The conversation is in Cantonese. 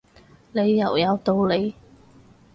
你又有道理